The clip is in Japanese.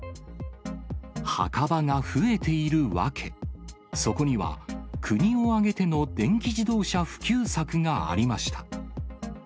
墓場が増えている訳、そこには、国を挙げての電気自動車普及策がありました。